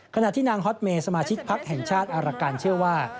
ขณะที่นางฮอตเมย์สมาชิกพักแห่งชาติอารการเชื่อว่า